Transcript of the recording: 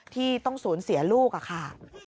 ที่ต้องสูญเสียลูกค่ะ